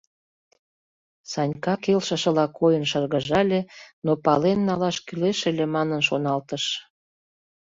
Санька келшышыла койын шыргыжале, но пален налаш кӱлеш ыле, манын шоналтыш.